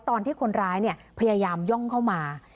ตอนที่คนร้ายพยายามย่องเข้ามา